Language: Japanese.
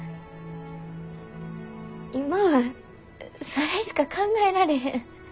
今はそれしか考えられへん。